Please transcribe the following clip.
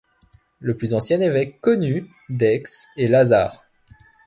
Le plus ancien évêque connu d'Aix est Lazare.